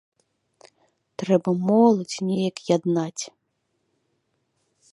Трэба моладзь неяк яднаць.